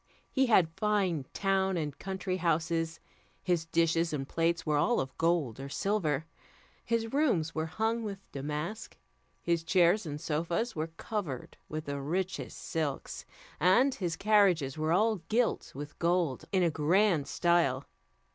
He had fine town and country houses, his dishes and plates were all of gold or silver, his rooms were hung with damask, his chairs and sofas were covered with the richest silks, and his carriages were all gilt with gold in a grand style.